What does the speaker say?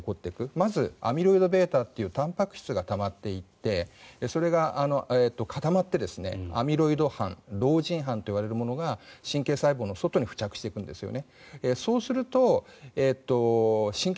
まずアミロイドβというたんぱく質がたまっていってそれが固まって、アミロイド斑ロージンというものが神経細胞の外に付着していくんですね。